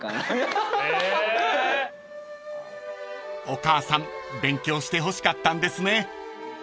［お母さん勉強してほしかったんですね］